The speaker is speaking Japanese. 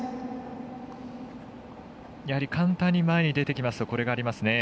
やはり簡単に前に出てきますとこれがありますね。